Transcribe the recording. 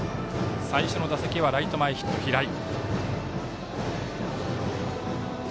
最初の打席はライト前ヒット平井。